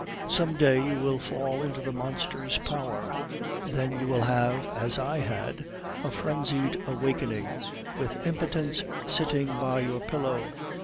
"Some day you will fall into the monster's power. Then you will have, as I had, a frenzied awakening, with impotence sitting by your pillow.